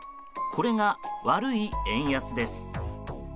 これが悪い円安です。